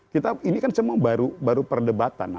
kita ini kan cuma baru baru perdebatan